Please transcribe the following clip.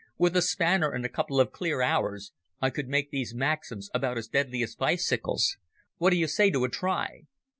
With a spanner and a couple of clear hours I could make these maxims about as deadly as bicycles. What do you say to a try?"